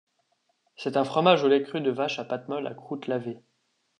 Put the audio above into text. C'est un fromage au lait cru de vache à pâte molle à croûte lavée.